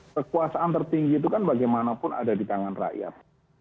kekuasaan tertinggi itu kan bagaimanapun ada di tangan rakyat